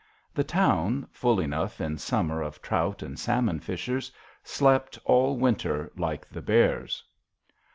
The town, full enough in summer of trout and salmon fishers, slept all winter like the bears.